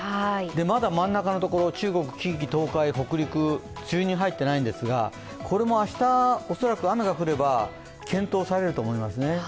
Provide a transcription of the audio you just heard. まだ真ん中のところ、中国、近畿、東海、北陸は梅雨に入っていないんですが明日恐らく、雨が降れば検討されると思いますね。